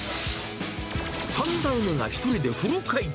３代目が一人でフル回転。